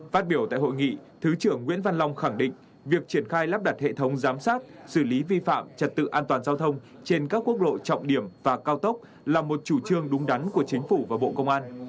phát biểu tại hội nghị thứ trưởng nguyễn văn long khẳng định việc triển khai lắp đặt hệ thống giám sát xử lý vi phạm trật tự an toàn giao thông trên các quốc lộ trọng điểm và cao tốc là một chủ trương đúng đắn của chính phủ và bộ công an